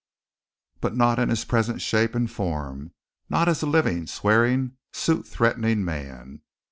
But not in his present shape and form; not as a living, swearing, suit threatening man.